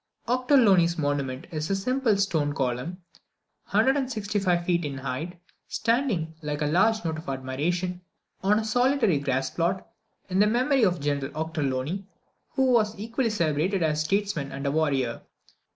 Ochterlony's Monument is a simple stone column, 165 feet in height, standing, like a large note of admiration, on a solitary grassplot, in memory of General Ochterlony, who was equally celebrated as a statesman and a warrior.